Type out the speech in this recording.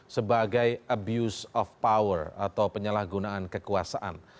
sebagai abuse of power atau penyalahgunaan kekuasaan